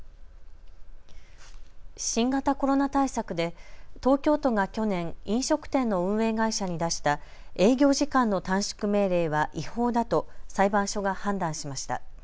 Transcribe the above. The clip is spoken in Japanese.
新型コロナ対策で東京都が去年飲食店の運営会社に出した営業時間の短縮命令は違法だと裁判所が判断しました。